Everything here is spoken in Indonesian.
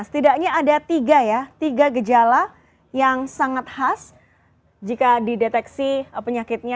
setidaknya ada tiga ya tiga gejala yang sangat khas jika dideteksi penyakitnya